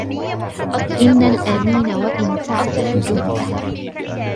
إن الأمين وإن تعفف جهده